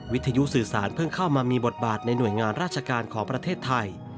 วิทยุสื่อสารเพิ่งเข้ามามีบทบาทในหน่วยงานราชการของประเทศไทย